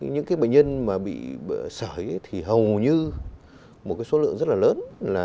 những bệnh nhân mà bị sởi thì hầu như một số lượng rất là lớn